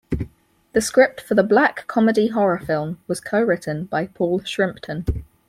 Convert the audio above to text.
The script for the black comedy horror film was co-written by Paul Shrimpton.